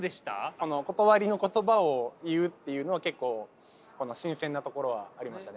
断りの言葉を言うっていうのは結構新鮮なところはありましたね。